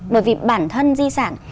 bởi vì bản thân di sản